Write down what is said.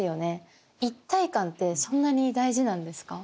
一体感ってそんなに大事なんですか？